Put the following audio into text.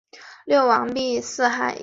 阿南人口变化图示